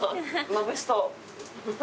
まぶしそう。